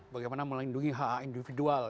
bagaimana melindungi hak hak individual